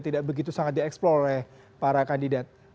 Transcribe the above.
tidak begitu sangat dieksplorasi